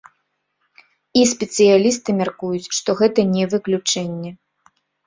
І спецыялісты мяркуюць, што гэта не выключэнне.